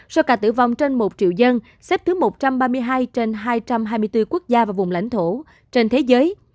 số ca tử vong trên một triệu dân xếp thứ một trăm ba mươi hai trên hai trăm hai mươi bốn quốc gia và vùng lãnh thổ trên thế giới